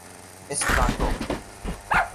Esperanto